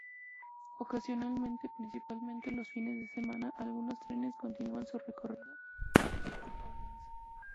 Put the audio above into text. Ocasionalmente, principalmente los fines de semana, algunos trenes continúan su recorrido hasta Ourense.